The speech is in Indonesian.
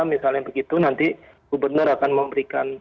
misalnya begitu nanti gubernur akan memberikan